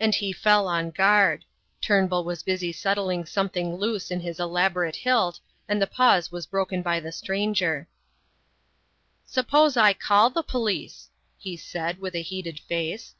And he fell on guard. Turnbull was busy settling something loose in his elaborate hilt, and the pause was broken by the stranger. "Suppose I call the police?" he said, with a heated face.